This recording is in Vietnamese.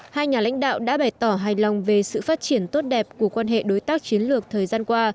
hai nhà lãnh đạo đã bày tỏ hài lòng về sự phát triển tốt đẹp của quan hệ đối tác chiến lược thời gian qua